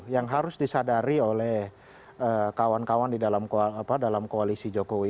yang harus disadari oleh kawan kawan di dalam koalisi jokowi